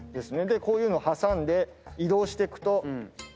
でこういうのを挟んで移動してくと。